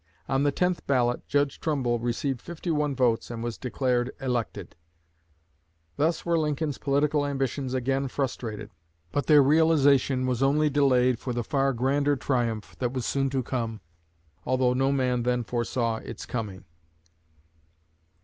On the tenth ballot Judge Trumbull received fifty one votes and was declared elected." Thus were Lincoln's political ambitions again frustrated. But their realization was only delayed for the far grander triumph that was so soon to come, although no man then foresaw its coming.